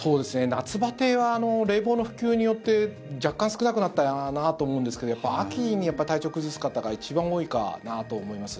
夏バテは冷房の普及によって若干、少なくなったなと思うんですけどやっぱり秋に体調を崩す方が一番多いかなと思います。